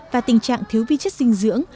và tình trạng thiếu vi chất dinh dưỡng